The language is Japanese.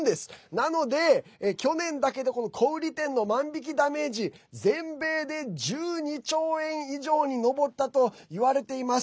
なので、去年だけで小売店の万引きダメージ全米で１２兆円以上に上ったといわれています。